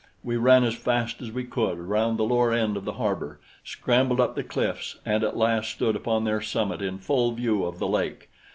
We ran as fast as we could around the lower end of the harbor, scrambled up the cliffs and at last stood upon their summit in full view of the lake.